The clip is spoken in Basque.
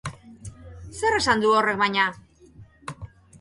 Zer esan nahi du horrek baina?